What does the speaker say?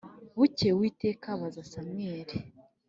Bukeye Uwiteka abaza Samweli